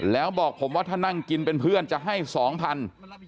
แล้วบอกผมว่าถ้านั่งกินเป็นเพื่อนจะให้สองพัน